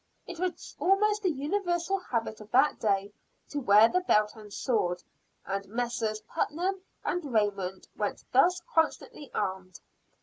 It was almost the universal habit of that day, to wear the belt and sword; and Messrs. Putnam and Raymond went thus constantly armed.